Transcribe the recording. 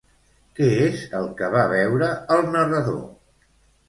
Què és el que va veure el narrador?